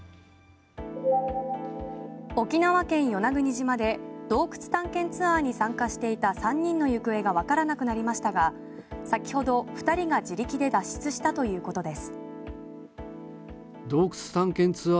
沖縄県・与那国島で洞窟探検ツアーに参加していた３人の行方がわからなくなりましたが先ほど２人が自力で脱出したということです。